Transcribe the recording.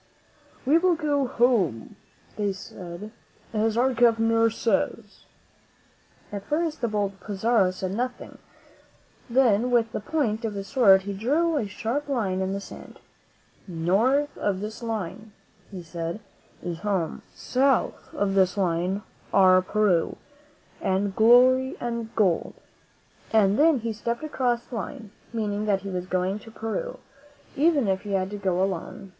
"We will go home," they said, "as our Governor says." At first the bold Pizarro said nothing; then with the point of his sword he drew a sharp line in the sand. "North of this line," he said, "is home; south of this line are Peru and glory and gold." And then he stepped across the line, meaning that /le was going to Peru, even if he had to go alone.